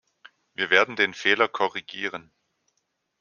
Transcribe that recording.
Wir werden den Fehler korrigieren.